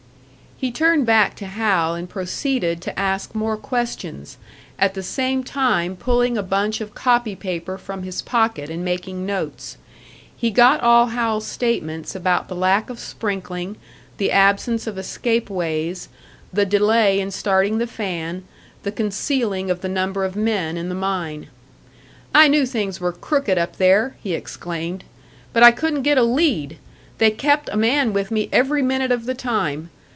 He turned back to Hal, and proceeded to ask more questions, at the same time pulling a bunch of copy paper from his pocket and making notes. He got all Hal's statements about the lack of sprinkling, the absence of escape ways, the delay in starting the fan, the concealing of the number of men in the mine. "I knew things were crooked up there!" he exclaimed. "But I couldn't get a lead! They kept a man with me every minute of the time.